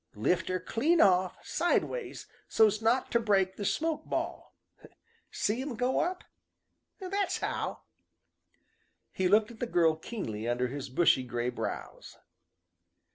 Lift her clean off, sideways, so's not ter break the smoke ball. See 'em go up? That's how." He looked at the girl keenly under his bushy gray brows.